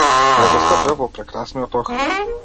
Летоска бев во прекрасниот Охрид.